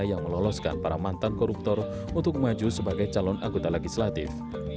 yang meloloskan para mantan koruptor untuk maju sebagai calon anggota legislatif